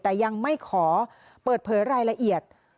แต่ยังไม่ขอเปิดเผยรายละเอียด